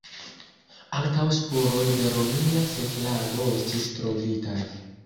Ankaŭ spuroj de romia setlado estis trovitaj.